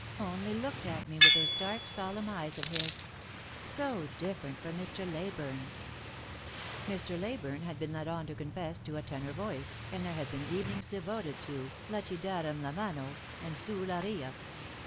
Only looked at me with those dark solemn eyes of his. So different from Mr. Leyburne." Mr. Leyburne had been led on to confess to a tenor voice, and there had been evenings devoted to " La ci darem la mano" and "Sull'aria."